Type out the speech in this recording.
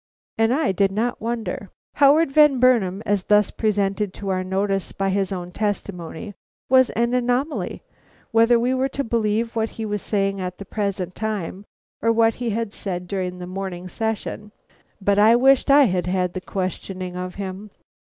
And I did not wonder. Howard Van Burnam, as thus presented to our notice by his own testimony, was an anomaly, whether we were to believe what he was saying at the present time or what he had said during the morning session. But I wished I had had the questioning of him.